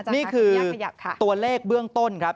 นี่คือตัวเลขเบื้องต้นครับ